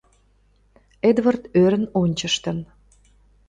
Эдвард ӧрын ончыштын.